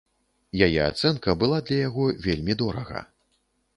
Яе ацэнка была для яго вельмі дорага.